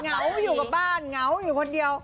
เหงาอยู่กับบ้านเหงาอยู่คนเดียว